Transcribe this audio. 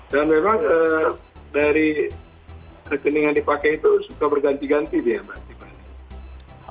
dan memang dari rekening yang dipakai itu suka berganti ganti dia mbak